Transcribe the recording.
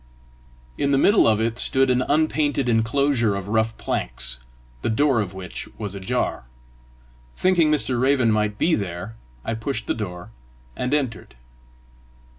In the middle of it stood an unpainted inclosure of rough planks, the door of which was ajar. Thinking Mr. Raven might be there, I pushed the door, and entered.